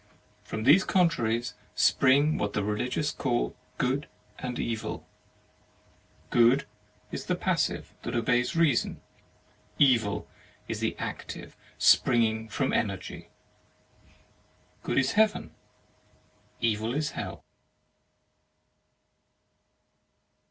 From these contraries spring what the religious call Good and Evil. Good is the passive that obeys reason; Evil is the active springing from Energy. Good is heaven. Evil is hell.